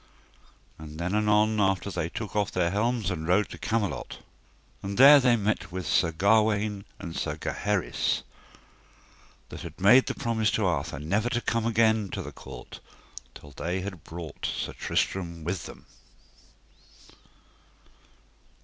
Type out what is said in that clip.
And then anon after they took off their helms and rode to Camelot. And there they met with Sir Gawaine and with Sir Gaheris that had made promise to Arthur never to come again to the court till they had brought Sir Tristram with them.